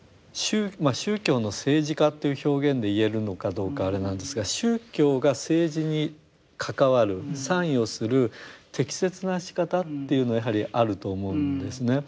宗教の政治化という表現で言えるのかどうかあれなんですが宗教が政治に関わる参与する適切なしかたっていうのはやはりあると思うんですね。